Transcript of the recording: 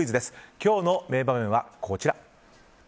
今日の名場面はこちら。